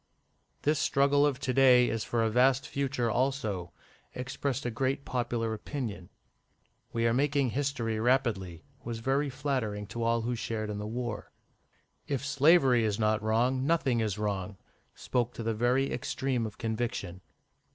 "This struggle of to day is for a vast future also," expressed a great popular opinion. "We are making history rapidly," was very flattering to all who shared in the war. "If slavery is not wrong, nothing is wrong," spoke the very extreme of conviction.